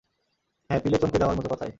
হ্যাঁ, পিলে চমকে যাওয়ার মতো কথাই।